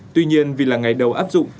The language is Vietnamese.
tuy nhiên vì là ngày đầu áp dụng